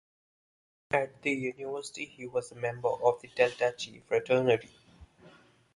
At the University he was a member of the Delta Chi Fraternity.